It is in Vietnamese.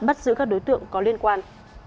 bắt giữ các đối tượng có liên quan